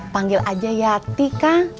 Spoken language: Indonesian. panggil aja syadi kang